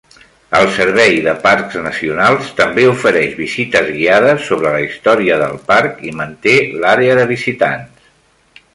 El servei de parcs nacionals també ofereix visites guiades sobre la història del parc i manté l'àrea de visitants.